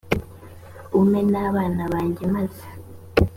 umpe n abana banjye maze